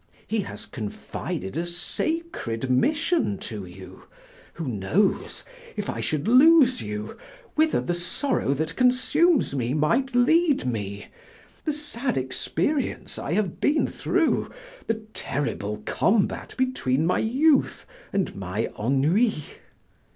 He has confided a sacred mission to you; who knows, if I should lose you, whither the sorrow that consumes me might lead me, the sad experience I have been through, the terrible combat between my youth and my ennui?"